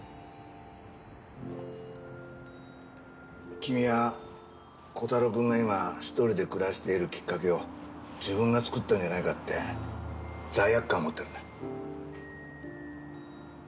君はコタローくんが今１人で暮らしているきっかけを自分が作ったんじゃないかって罪悪感を持っているんだ。